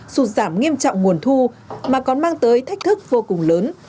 sụt giảm nghiêm trọng nguồn thu mà còn mang tới thách thức vô cùng lớn